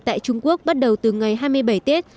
tại trung quốc bắt đầu từ ngày hai mươi bảy tết